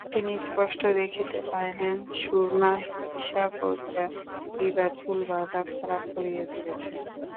তিনি স্পষ্ট দেখিতে পাইলেন, সুরমা হিংসা করিয়া বিভার চুল বাঁধা খারাপ করিয়া দিয়াছে।